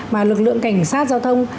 mà lực lượng cảnh sát giao thông